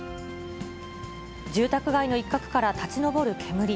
住宅街の一角から立ち上る煙。